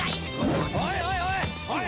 おいおいおい！